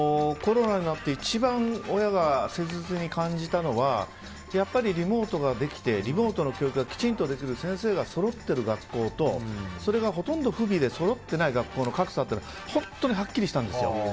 コロナになって親が一番切実に感じたのはやっぱりリモートができてリモートの教育がきちんとできる先生がそろってる学校とそれがほとんど不備でそろってない学校の格差って本当にはっきりしたんですよ。